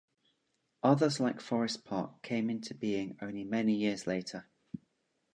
Others like Forest Park came into being only many years later.